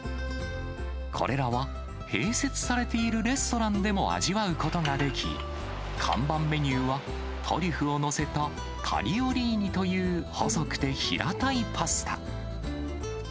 これらは併設されているレストランでも味わうことができ、看板メニューはトリュフを載せたタリオリーニという細くて平たいパスタ。